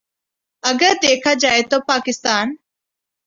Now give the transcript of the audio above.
اگر دیکھا جائے تو پاکستان